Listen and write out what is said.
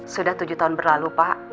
sudah tujuh tahun berlalu pak